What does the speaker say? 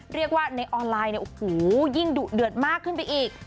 เรียกว่าในออนไลน์ยิ่งดุเดือดมากขึ้นไปอีก